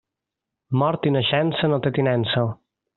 Mort i naixença, no té tinença.